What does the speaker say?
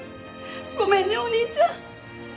ごめんねお兄ちゃん。